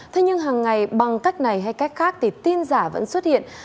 thế nhưng hàng ngày bằng cách này hay cách khác thì tin giả vẫn xuất hiện